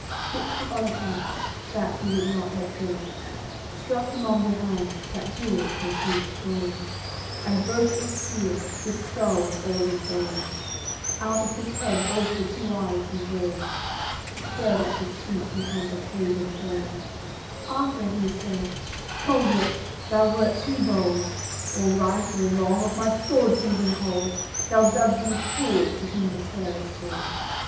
Took the olifant, that he would not let go, Struck him on th' helm, that jewelled was with gold, And broke its steel, his skull and all his bones, Out of his head both the two eyes he drove; Dead at his feet he has the pagan thrown: After he's said: "Culvert, thou wert too bold, Or right or wrong, of my sword seizing hold! They'll dub thee fool, to whom the tale is told.